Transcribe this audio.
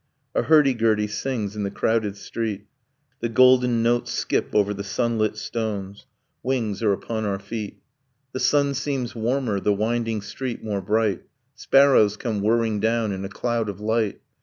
A hurdy gurdy sings in the crowded street, The golden notes skip over the sunlit stones, Wings are upon our feet. The sun seems warmer, the winding street more bright, Sparrows come whirring down in a cloud of light.